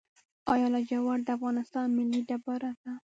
آیا لاجورد د افغانستان ملي ډبره ده؟